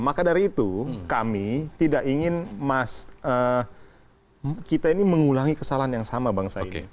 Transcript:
maka dari itu kami tidak ingin mas kita ini mengulangi kesalahan yang sama bangsa ini